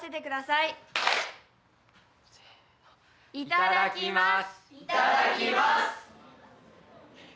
いただきます。